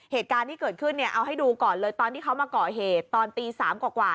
เหตุการณ์ที่เกิดขึ้นเนี่ยเอาให้ดูก่อนเลยตอนที่เขามาก่อเหตุตอนตี๓กว่า